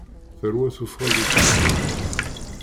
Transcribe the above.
Terwa tuffɣa d ukeččum.